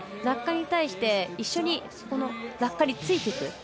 落下に対して一緒に落下についていく。